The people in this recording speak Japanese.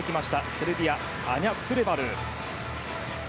セルビアのアニャ・ツレバル。